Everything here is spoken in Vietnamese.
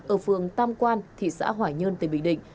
ở phường tam quan thị xã hoài nhơn tỉnh bình định